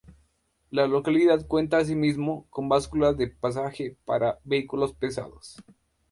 La localidad cuenta asimismo con báscula de pesaje para vehículos pesados.